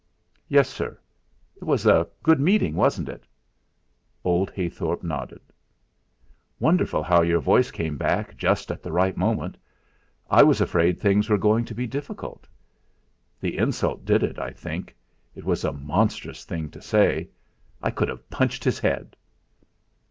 "Yes, sir. It was a good meeting, wasn't it?" Old Heythorp nodded. "Wonderful how your voice came back just at the right moment. I was afraid things were going to be difficult. The insult did it, I think. It was a monstrous thing to say. I could have punched his head."